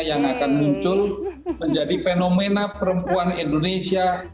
yang akan muncul menjadi fenomena perempuan indonesia